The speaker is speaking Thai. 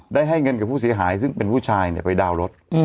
ได้ให้เงินกับผู้เสียหายซึ่งเป็นผู้ชายไปดาวน์รถ